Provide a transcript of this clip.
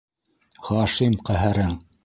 Хашим ҡәһәрең!